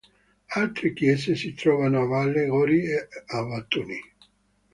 Altre chiese si trovano a Vale, Gori e a Batumi.